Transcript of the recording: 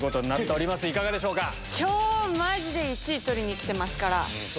きょう、まじで１位取りに来てますから。